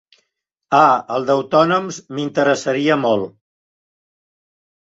Ah, el d'autònoms m'interessaria molt.